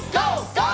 ＧＯ！